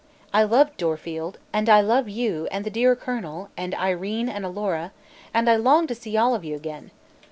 I love Dorfield, and I love you, and the dear Colonel, and Irene and Alora, and I long to see all of you again.